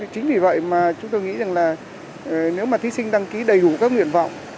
chính vì vậy mà chúng tôi nghĩ rằng là nếu mà thí sinh đăng ký đầy đủ các nguyện vọng